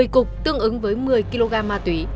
một mươi cục tương ứng với một mươi kg ma túy